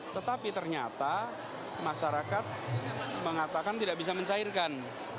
tetapi ternyata masyarakat mengatakan tidak bisa mencairkan